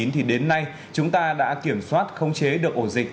thì đến nay chúng ta đã kiểm soát không chế được ổ dịch